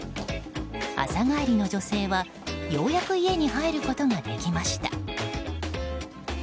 朝帰りの女性は、ようやく家に入ることができました。